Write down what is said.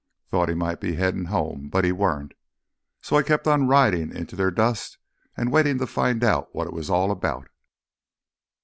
Thought he might be headin' home, but he weren't. So I kept on ridin' into their dust an' waitin' to find out what it was all 'bout.